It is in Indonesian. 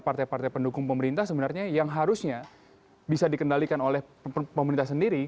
partai partai pendukung pemerintah sebenarnya yang harusnya bisa dikendalikan oleh pemerintah sendiri